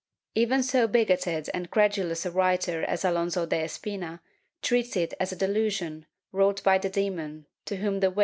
^ Even so bigoted and credulous a writer as Alonso de Espina treats it as a delusion wrought by the demon to whom > Frag.